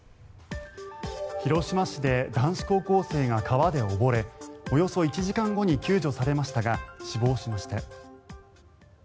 広島市で男子高校生が川で溺れおよそ１時間後に救助されましたが死亡しました。